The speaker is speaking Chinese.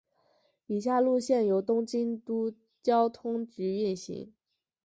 以下路线由东京都交通局运行。